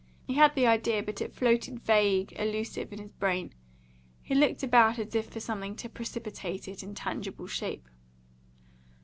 He had the idea, but it floated vague, elusive, in his brain. He looked about as if for something to precipitate it in tangible shape.